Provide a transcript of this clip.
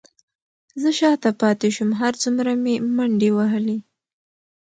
زه شاته پاتې شوم، هر څومره مې منډې وهلې،